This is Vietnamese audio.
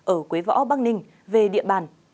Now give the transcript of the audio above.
ở quế võ bắc ninh về địa bàn